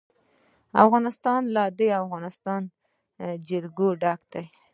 افغانستان له د افغانستان جلکو ډک دی.